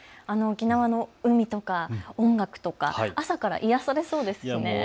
沖縄の海とか音楽とか朝から癒やされそうですね。